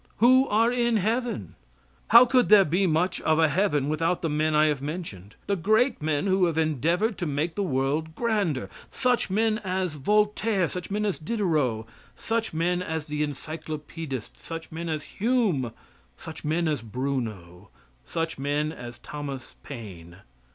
Who are in heaven? How could there be much of a heaven without the men I have mentioned the great men that have endeavored to make the world grander such men as Voltaire, such men as Diderot, such men as the encyclopedists, such men as Hume, such men as Bruno, such men as Thomas Paine?